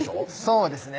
そうですね